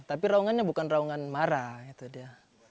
tapi raungannya bukan raungan marah itu dia